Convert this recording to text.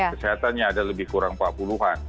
kesehatannya ada lebih kurang empat puluh an